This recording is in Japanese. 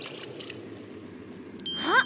あっ！